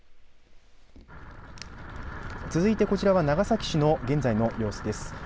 続いて、こちらは長崎市の現在の様子です。